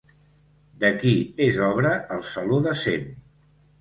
De qui és obra el Saló de Cent?